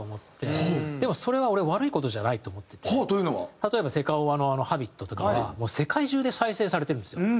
例えばセカオワの『Ｈａｂｉｔ』とかは世界中で再生されてるんですよ。